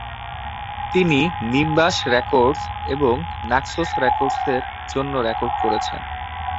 তিনি Nimbus Records এবং Naxos রেকর্ডসের জন্য রেকর্ড করেছেন।